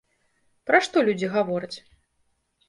Пра што людзі гавораць?